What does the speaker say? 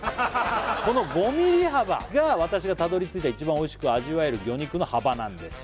この５ミリ幅が私がたどり着いた一番おいしく味わえる魚肉の幅なんです